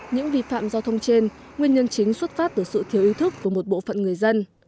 những vi phạm giao thông trên nguyên nhân chính xuất phát từ sự thiếu ý thức của một bộ phận người dân